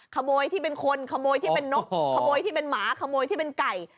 ขโมยที่เป็นคนขโมยที่เป็นนกขโมยที่เป็นหมาขโมยที่เป็นไก่